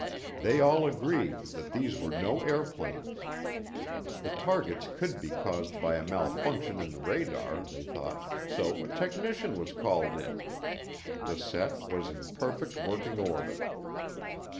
They all agreed that these were no airplanes. The targets could be caused by a malfunction in the radar, they thought, so a technician was called in the set was in perfect working order.